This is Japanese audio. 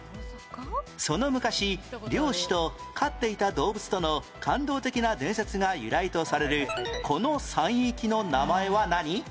その昔猟師と飼っていた動物との感動的な伝説が由来とされるこの山域の名前は何？